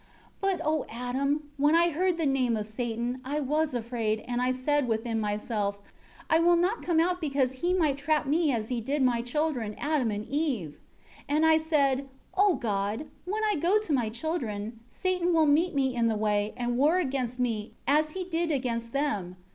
18 But, O Adam, when I heard the name of Satan, I was afraid, and I said within myself, I will not come out because he might trap me as he did my children, Adam and Eve. 19 And I said, 'O God, when I go to my children, Satan will meet me in the way, and war against me, as he did against them.'